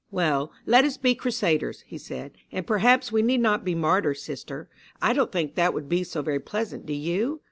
"Well, let us be crusaders," he said, "and perhaps we need not be martyrs, sister. I don't think that would be so very pleasant, do you?